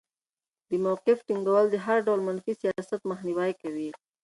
د موقف ټینګول د هر ډول منفي سیاست مخنیوی کوي.